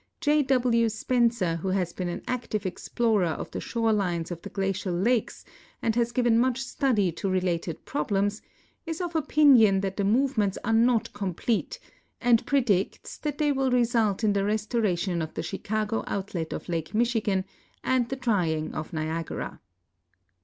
.1. W. Spencer, who has l)een an active explorer of the shore lines of the glacial lakes and has given much study to related i>roblems, is of opinion that the movements are not comi)lete, and predicts that they will result in the restoration of the Chicago outlet of Lake Michigan and the drying of Niagara.!